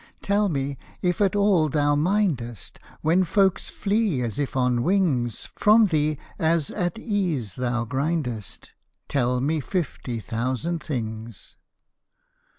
Tell me if at all thou mindest When folks flee, as if on wings, From thee as at ease thou grindest: Tell me fifty thousand things.